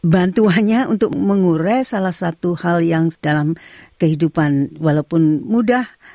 bantuannya untuk mengurai salah satu hal yang dalam kehidupan walaupun mudah